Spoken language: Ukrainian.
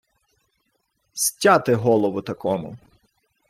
— Стяти голову такому!